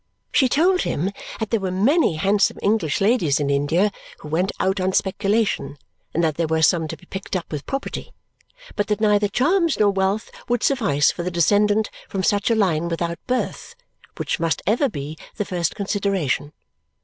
She told him that there were many handsome English ladies in India who went out on speculation, and that there were some to be picked up with property, but that neither charms nor wealth would suffice for the descendant from such a line without birth, which must ever be the first consideration.